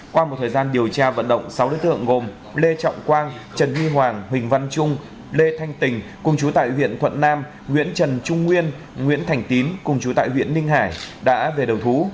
qua một thời gian điều tra vận động sáu đối tượng gồm lê trọng quang trần huy hoàng huỳnh văn trung lê thanh tình cùng chú tại huyện thuận nam nguyễn trần trung nguyên nguyễn thành tín cùng chú tại huyện ninh hải đã về đầu thú